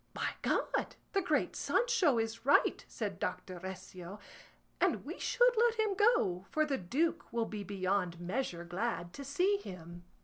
"By God the great Sancho is right," said Doctor Recio, "and we should let him go, for the duke will be beyond measure glad to see him."